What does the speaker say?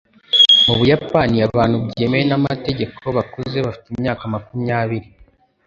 Mu Buyapani, abantu byemewe n'amategeko bakuze bafite imyaka makumyabiri.